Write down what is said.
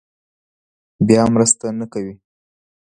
بیا مرسته نه کوي.